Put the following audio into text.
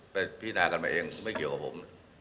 พินากันมาเองไม่เกี่ยวกับผม